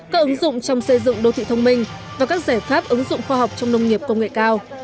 các ứng dụng trong xây dựng đô thị thông minh và các giải pháp ứng dụng khoa học trong nông nghiệp công nghệ cao